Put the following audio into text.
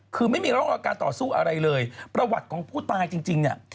คือไม่มีร่องรอยการต่อสู้อะไรเลยประวัติของผู้ตายจริงเนี่ย